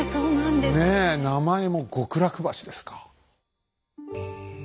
ねえ名前も極楽橋ですか。